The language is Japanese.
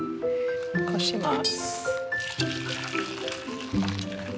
こします。